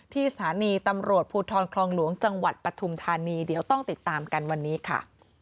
ที่สถานีตำรวจภูทรคลองหลวงจังหวัดปฐุมธานีเดี๋ยวต้องติดตามกันวันนี้ค่ะ